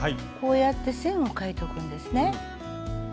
こうやって線を書いとくんですね。